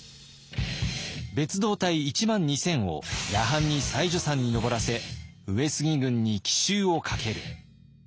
別動隊１万２，０００を夜半に妻女山に登らせ上杉軍に奇襲をかける。